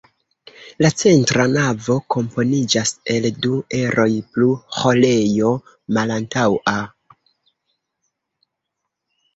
La centra navo komponiĝas el du eroj, plus ĥorejo malantaŭa.